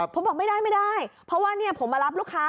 ผมบอกไม่ได้ไม่ได้เพราะว่าผมมารับลูกค้า